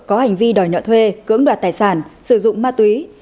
có hành vi đòi nợ thuê cưỡng đoạt tài sản sử dụng ma túy